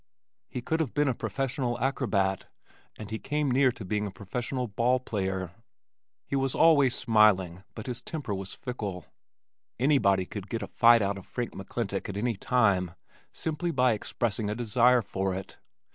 He could have been a professional acrobat and he came near to being a professional ball player. He was always smiling, but his temper was fickle. Anybody could get a fight out of Frank McClintock at any time, simply by expressing a desire for it.